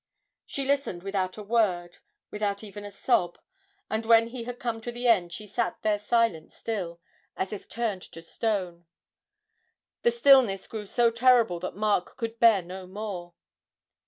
She listened without a word, without even a sob, and when he had come to the end she sat there silent still, as if turned to stone. The stillness grew so terrible that Mark could bear no more.